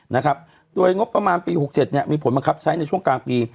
นะครับโดยนกประมาณปี๖๗มีผลมันคับใช้ในช่องกลางปี